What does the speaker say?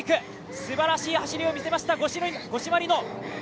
すばらしい走りを見せました五島莉乃。